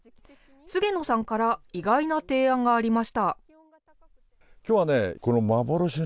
菅野さんから意外な提案がありました。